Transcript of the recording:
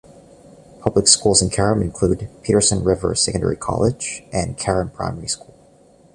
Public schools in Carrum include Patterson River Secondary College and Carrum Primary School.